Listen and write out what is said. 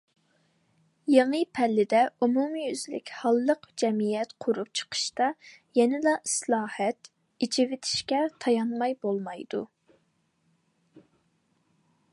يېڭى پەللىدە ئومۇميۈزلۈك ھاللىق جەمئىيەت قۇرۇپ چىقىشتا يەنىلا ئىسلاھات، ئېچىۋېتىشكە تايانماي بولمايدۇ.